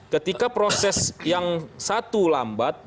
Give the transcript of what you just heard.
ketika proses yang satu lambat